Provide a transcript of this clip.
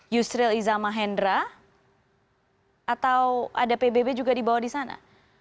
yusril iza maendra atau ada pbb juga dibawa disana